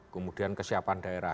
kemudian kesiapan daerah